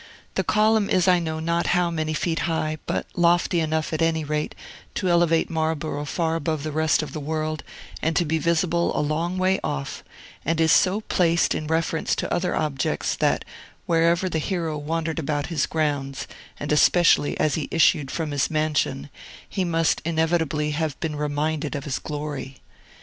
The column is I know not how many feet high, but lofty enough, at any rate, to elevate Marlborough far above the rest of the world, and to be visible a long way off; and it is so placed in reference to other objects, that, wherever the hero wandered about his grounds, and especially as he issued from his mansion, he must inevitably have been reminded of his glory.